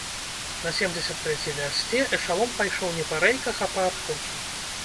На семдзесят трэцяй вярсце эшалон пайшоў не па рэйках, а па адкосу.